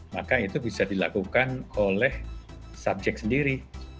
maka itu bisa dilakukan oleh subjek sendiri